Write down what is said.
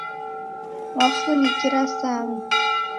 Wafunikira Sangu